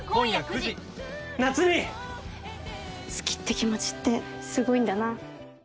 好きって気持ちってすごいんだな。